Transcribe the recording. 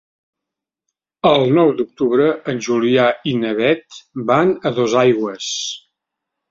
El nou d'octubre en Julià i na Beth van a Dosaigües.